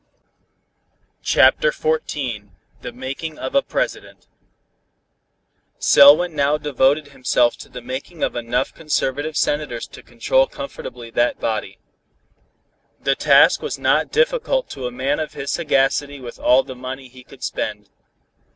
CHAPTER XIV THE MAKING OF A PRESIDENT Selwyn now devoted himself to the making of enough conservative senators to control comfortably that body. The task was not difficult to a man of his sagacity with all the money he could spend.